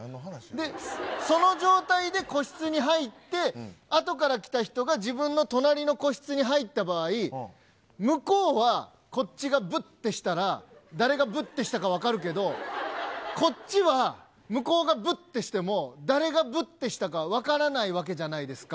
で、その状態で個室に入って、あとから来た人が、自分の隣の個室に入った場合、向こうはこっちが、ぶってしたら、誰がぶってしたか分かるけど、こっちは向こうが、ぶってしても、誰がぶってしたか分からないわけじゃないですか。